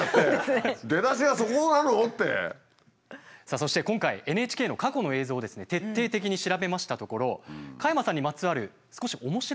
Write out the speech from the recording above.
そして今回ＮＨＫの過去の映像を徹底的に調べましたところ加山さんにまつわる少し面白い映像が出てきました。